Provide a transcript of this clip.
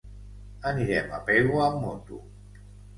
Anirem a Pego amb moto.